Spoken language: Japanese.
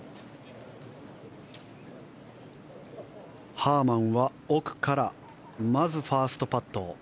ハーマンは奥からまずファーストパット。